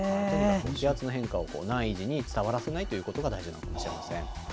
気圧の変化を内耳に伝わらせないということが大事なのかもしれません。